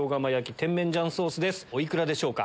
お幾らでしょうか？